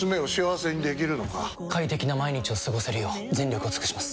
快適な毎日を過ごせるよう全力を尽くします！